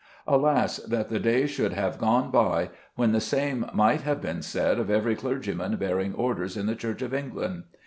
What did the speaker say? Alas! that the day should have gone by when the same might have been said of every clergyman bearing orders in the Church of England.